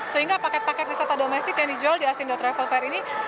sehingga paket paket wisata domestik yang dijual di asindo travel fair ini